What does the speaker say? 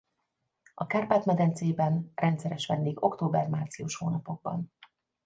A Kárpát-medencében rendszeres vendég október-március hónapokban.